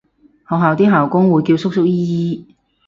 學校啲校工會叫叔叔姨姨